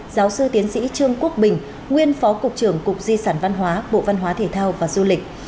giáo sư tiến sĩ trương quốc bình nguyên phó cục trưởng cục di sản văn hóa bộ văn hóa thể thao và du lịch